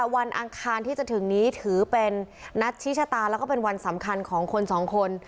วันอังคารที่จะถึงนี้ถือเป็นนัดชี้ชะตาแล้วก็เป็นวันสำคัญของคนสองคน